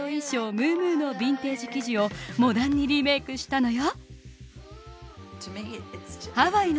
ムームーのビンテージ生地をモダンにリメイクしたのよ。